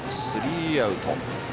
スリーアウト。